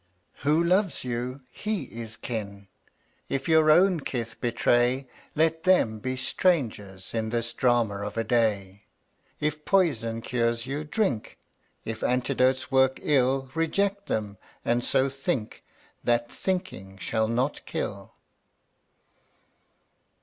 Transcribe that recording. Who loves you, he is kin; If your own kith betray, Let them be strangers in This drama of a day. If poison cures you, drink; If antidotes work ill, Reject them, and so think That thinking shall not kill.